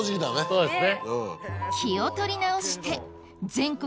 そうです。